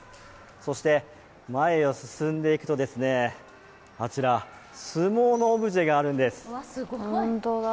そして前へ進んでいくとあちら相撲のオブジェがあるんです。